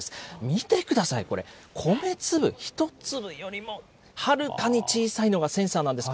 見てください、これ、米粒１粒よりもはるかに小さいのがセンサーなんです。